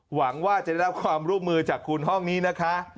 หวังว่าจะได้รับความร่วมมือจากคุณห้องนี้นะคะ